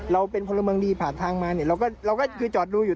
เราเป็นพลเมืองดีผ่านทางมาเนี่ยเราก็คือจอดดูอยู่